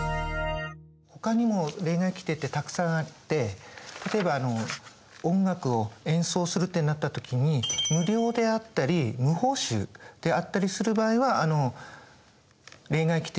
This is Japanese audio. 他にも例外規定ってたくさんあって例えば音楽を演奏するってなった時に無料であったり無報酬であったりする場合は例外規定に含まれてきます。